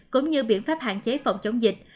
cũng như biện pháp hạn chế phòng chống dịch